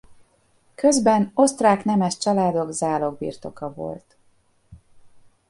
Közben osztrák nemes családok zálogbirtoka volt.